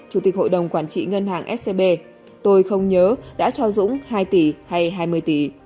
chủ tịch hội đồng quản trị ngân hàng scb tôi không nhớ đã cho dũng hai tỷ hay hai mươi tỷ